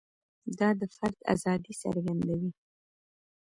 دا د فرد ازادي څرګندوي.